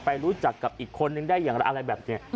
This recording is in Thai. รู้จักกับอีกคนนึงได้อย่างไรอะไรแบบนี้